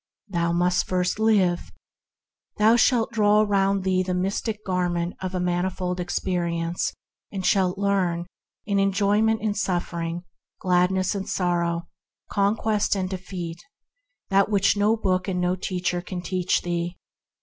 Thou must first live; thou shalt draw around thee the mystic garment of a manifold experience, and shalt learn, through enjoyment and suf fering, gladness and sorrow, conquest and defeat, what neither book nor teacher can teach thee.